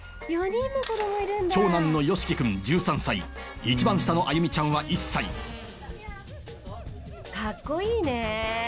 長男のヨシキ君１３歳一番下のアユミちゃんは１歳カッコいいね。